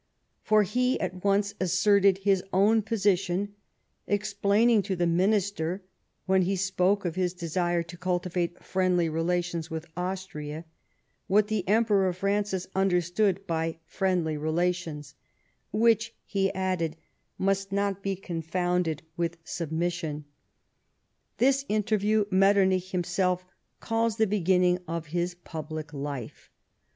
For he at once asserted his own position, explaining to the minister, when he spoke of his desire to cultivate friendly relations with Austria, what the Emperor Francis understood by friendly relations, " which," he added, " must not be confounded with submission." This interview Metternich himself calls the beginning of his public life.